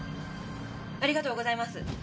ありがとうございます。